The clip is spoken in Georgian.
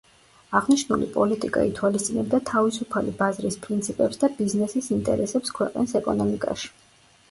აღნიშნული პოლიტიკა ითვალისწინებდა თავისუფალი ბაზრის პრინციპებს და ბიზნესის ინტერესებს ქვეყნის ეკონომიკაში.